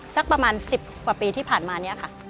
สักประมาณ๑๐กว่าปีที่ผ่านมาเนี่ยค่ะ